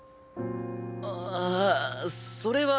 ああそれは。